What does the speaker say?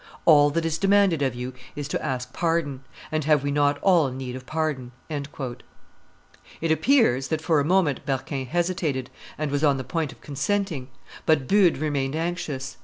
All that is demanded of you is to ask pardon: and have we not all need of pardon?" It appears that for a moment Berquin hesitated, and was on the point of consenting; but Bude remained anxious.